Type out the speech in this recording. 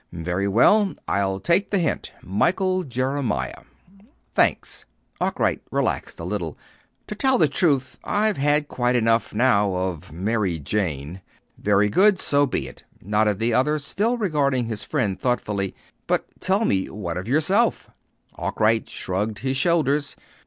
"Very well. I'll take the hint Michael Jeremiah." "Thanks." Arkwright relaxed a little. "To tell the truth, I've had quite enough now of Mary Jane." "Very good. So be it," nodded the other, still regarding his friend thoughtfully. "But tell me what of yourself?" Arkwright shrugged his shoulders.